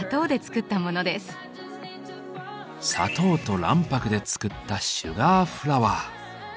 砂糖と卵白で作った「シュガーフラワー」。